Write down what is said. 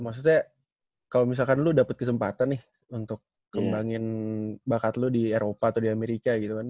maksudnya kalo misalkan lu dapet kesempatan nih untuk kembangin bakat lu di eropa atau di amerika gitu kan